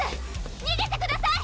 にげてください！